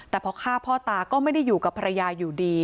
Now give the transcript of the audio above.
แต่พอฆ่าพ่อตาก็ไม่ได้อยู่กับภรรยาอยู่ดี